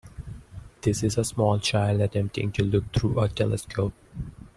This is a small child attempting to look through a telescope.